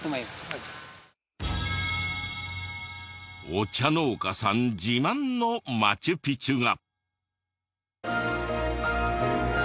お茶農家さん自慢のマチュピチュが。